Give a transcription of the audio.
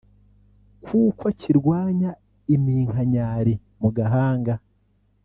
kuko kirwanya iminkanyari mu gahanga